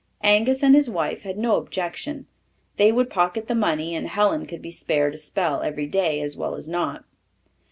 Angus and his wife had no objection. They would pocket the money, and Helen could be spared a spell every day as well as not.